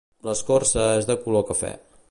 L'escorça és de color cafè.